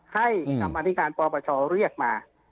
ให้กรรมธิการปปชเรียกมา